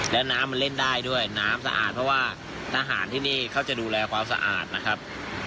แล้วน้ำมันเล่นได้ด้วยน้ำสะอาดเพราะว่าทหารที่นี่เขาจะดูแลความสะอาดนะครับ